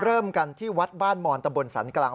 เริ่มกันที่วัดบ้านมอนตำบลสันกลาง